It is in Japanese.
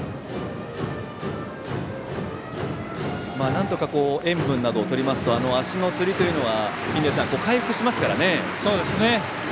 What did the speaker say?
なんとか、塩分などをとりますと足のつりというのはそうですね。